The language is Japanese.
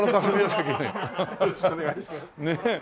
よろしくお願いします。